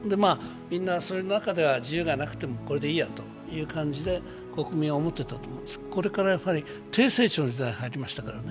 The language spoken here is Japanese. みんな自由がなくてもこれでいいやという感じで国民は思ってたと思うんですが、これから低成長の時代に入ります。